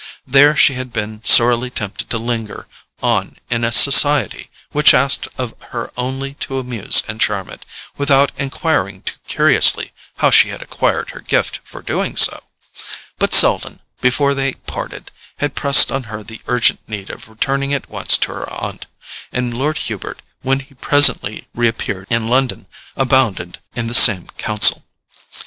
There she had been sorely tempted to linger on in a society which asked of her only to amuse and charm it, without enquiring too curiously how she had acquired her gift for doing so; but Selden, before they parted, had pressed on her the urgent need of returning at once to her aunt, and Lord Hubert, when he presently reappeared in London, abounded in the same counsel.